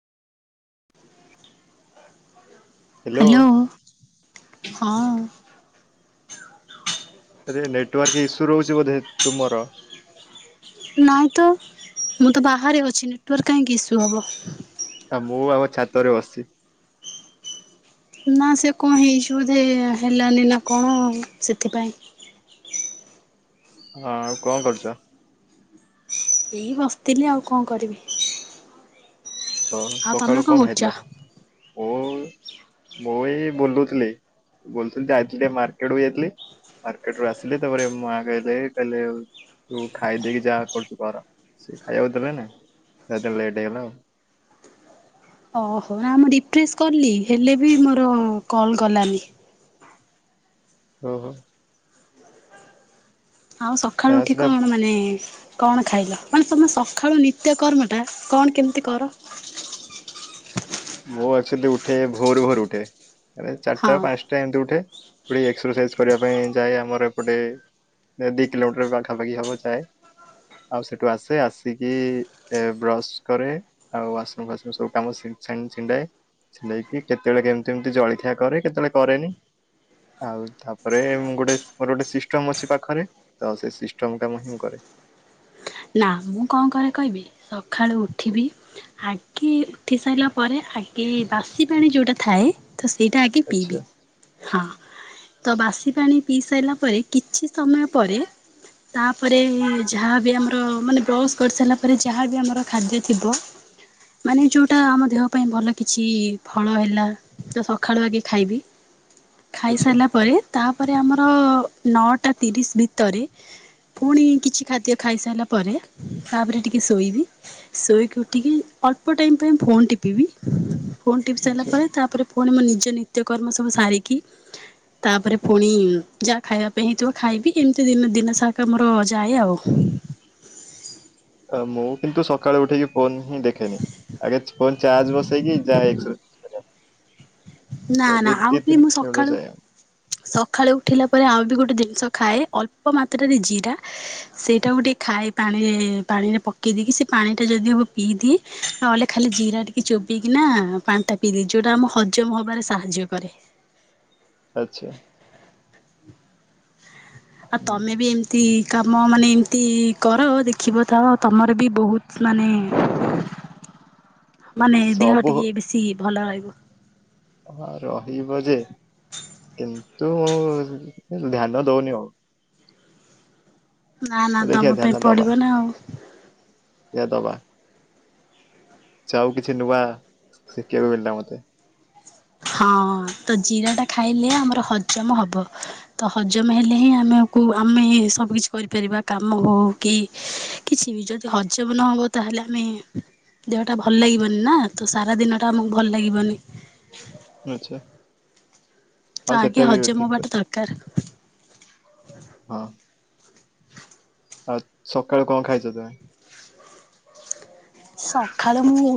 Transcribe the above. Hello hello ହଁ। ଆରେ network issue ରହୁଛି ବୋଧେ ତୁମର? ନାଇଁ ତ ମୁଁ ତ ବାହାରେ ଅଛି ନେଟୱାର୍କ କାହିଁକି ଇସ୍ୟୁ ହବ। ଆ ମୁଁ ଆମ ଛାତରେ ବସଚି। ନା ସେ କଣ ହେଇଛି ବୋଧେ ହେଲାନି ନା କଣ ସେଥିପାଇଁ। ହଁ ଆଉ କଣ କରୁଚ? ଏଇ ବସିଥିଲି ଆଉ କଣ କରିବି। ତ ଆଉ ତମେ ସକାଳୁ କଣ କରୁଛ? ଖାଇଥିଲ ଓଉ ମୁଁ ଏଇ ବୁଲୁଥିଲି। ବୁଲୁଥିଲି ଯାଇଥିଲି ଟିକେ ମାର୍କେଟକୁ ଯାଇଥିଲି। ମାର୍କେଟ ରୁ ଆସିଲେ ତାପରେ ମାଆ କହିଲେ କହିଲେ ତୁ ଖାଇଦେଇକି ଯାହା କରୁଛୁ କର। ସେ ଖାଇବାକୁ ଦେବେ ନା ତା ଲେଟ୍ ହେଇଗଲା ଆଉ। ଓହୋ ନା ମୁଁ ରିଫ୍ରେସ କଲି ହେଲେ ବି ମୋର କଲ୍ ଗଲାନି। ଓହୋ। ଆଉ ସକାଳୁ ନା ଉଠି ସେଟା କଣ ମାନେ କଣ ଖାଇଲ ମାନେ ତୁମେ ସକାଳୁ ନିତ୍ୟକର୍ମଟା କଣ କେମିତି କର? ମୋ ଏକଚୁଆଲି ଉଠେ ଭୋର ଭୋର ଉଠେ ଚାରିଟା ହଁ ପାଞ୍ଚ ଟା ଏମତି ଉଠେ ପୂଣି ଏକ୍ସରସାଇଜ କରିବା ପାଇଁ ଯାଏ ଆମର ଏପଟେ ଦି କିଲୋମିଟର ପାଖାପାଖି ହବ ଯାଏ। ଆଉ ସେଠୁ ଆସେ ଆସିକି ଏ ବ୍ରଶ କରେ। ଆଉ ଆସୁ ସୁ ସବୁ କାମ ସିମି ସେମ ଛିଣ୍ଡାଏ ଛିଣ୍ଡେଇକି କେତେବେଳେ କେମିତି ଏମିତି ଜଳଖିଆ କରେ କେତେବେଳେ କରେନି। ଆଉ ତାପରେ ମୁଁ ଗୋଟେ ମୋର ଗୋଟେ ସିଷ୍ଟମ ଅଛି ପାଖରେ। ତ ସେ ସିଷ୍ଟମ କାମହିଁ ମୁଁ କରେ। ନା ମୁଁ କଣ କରେ କହିବି ସକାଳୁ ଉଠିବି ଆ କି ଉଠି ସାରିଲା ପରେ ଆଗେ ବାସି ପାଣି ଯୋଉଟା ଥାଏ ତ ସେଇଟା ଆଗେ ଆଚ୍ଛା ପିଇବି। ହଁ ତ ବାସି ପାଣି ପିଇ ସାଇଲା ପରେ କିଛି ସମୟ ପରେ ତାପରେ ଯାହାବି ଆମର ମାନେ ବ୍ରଶ କରି ସାରିଲା ପରେ ଯାହାବି ଆମର ଖାଦ୍ୟ ଥିବ ମାନେ ଯଉଟା ଆମ ଦେହ ପାଇଁ ଭଲ କିଛି ଫଳ ହେଲା ତା ସକାଳୁ ଆଗେ ଖାଇବି। ଆଚ୍ଛା ଖାଇସାରିଲା ପରେ ତାପରେ ଆମର ନଅଟା ତିରିଶ ଭିତରେ ପୁଣି କିଛି ଖାଦ୍ୟ ଖାଇସାରିଲା ପରେ ପରେ ତାପରେ ଟିକେ ଶୋଇବି। ଶୋଇକି ଉଠିକି ଅଳ୍ପ ଟାଇମ ପାଇଁ ଫୋନ ଟିପିବି ଫୋନ ଟିପି ସାରିଲା ଆଚ୍ଛା ପରେ ତାପରେ ପୁଣି ମୋ ନିଜ ନିତ୍ୟକର୍ମ ସବୁ ସାରିକି ତାପରେ ପୁଣି ଯାହା ଖାଇବା ପାଇଁ ହେଇଥିବ ଖାଇବି ଏମିତି ଦିନ ଦିନ ସାକ ଆମର ଯାଏ ଆଉ। ମୁଁ କିନ୍ତୁ ସକାଳୁ ଉଠିକି ଫୋନ ହିଁ ଦେଖେନି ଆଗ ଫୋନ ଚାର୍ଜ ବସେଇକି ଯାଏ ଏକ ନା ଦି ନା ଆଉ ଦି କି ତିନି ମୁଁ କିଲୋମିଟର ସକାଳୁ ଯାଏ ଆଉ ସକାଳୁ ଉଠିଲା ପରେ ଆଉ ବି ଗୋଟେ ଜିନିଷ ଖାଏ ଅଳ୍ପ ମାତ୍ରାରେ ଜିରା। ସେଇଟା ଗୋଟେ ଖାଏ ପାଣିରେ ପାଣିରେ ପକେଇ ଦେଇକି ସେ ପାଣି ଟା ଯଦି ହବ ପିଇଦିଏ। ନହେଲେ ଖାଲି ଜିରା ଟିକେ ଚୋବେଇକି ନା ପାଣି ଟା ପିଇଦିଏ ଯୋଉଟା ଆମ ହ ହଜମ ହେବାରେ ସାହାଯ୍ୟ କରେ। ଆଚ୍ଛା। ଆ ହୁଁ ତମେ ବି ଏମ ତି କାମ ମାନେ ଏମିତି କର ଦେଖିବ ତ ତମର ବି ବହୁତ ମାନେ ମାନେ ଦେହ ସବୁ ଟିକେ ବେଶୀ ଭଲ ରହିବ। ହଁ ରହିବ ଯେ କିନ୍ତୁ ଧ୍ୟାନ ଦଉନି ଆଉ। ନା ନା ଦେଖିବା ଦବା ପାଇଁ ପଡ଼ିବ ନା ଆଉ। ଏୟା ଦବା। ସେ ଆଉ କିଛି ନୂଆ ଶିଖିବାକୁ ମିଳିଲା ମତେ। ହଁ ତ ଜିରା ଟା ଖାଇଲେ ଆମର ହଜମ ହବ। ତ ହଜମ ହେଲେ ହିଁ ଆମେ ଆମେ ସବୁ କିଛି କରିପାରିବା କାମ ହଉ କି କିଛି ବି ଯଦି ହଜମ ନହବ ତାହେଲେ ଆମେ ଦେହଟା ଭଲ ଲାଗିବନି ନା ତ ସାରା ଦିନଟା ଆମକୁ ଭଲ ଲାଗିବନି। [unintelligible] ଆଚ୍ଛା। ତ ହଁ ଆଗେ ସେଟା ବି ହଜମ ଠିକ ହବାଟା ଦରକାର। ହଁ। ଆଉ ସକାଳୁ କଣ ଖାଇଛ ତମେ? ସକାଳ ମୁଁ ଉ